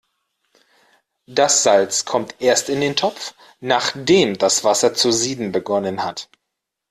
Das Salz kommt erst in den Topf, nachdem das Wasser zu sieden begonnen hat.